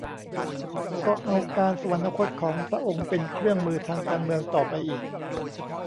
ก็เอาการสวรรคตของพระองค์เป็นเครื่องมือทางการเมืองต่อไปอีก